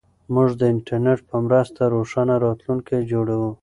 موږ د انټرنیټ په مرسته روښانه راتلونکی جوړوو.